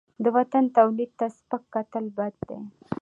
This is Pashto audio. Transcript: د وطن تولید ته سپک کتل بد دي.